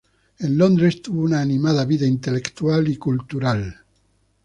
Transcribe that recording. En Londres tuvo una animada vida intelectual y cultural.